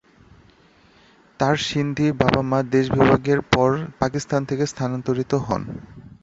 তার সিন্ধি বাবা-মা দেশবিভাগের পর পাকিস্তান থেকে স্থানান্তরিত হন।